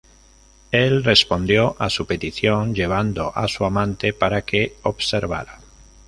Él respondió a su petición, llevando a su amante para que observara.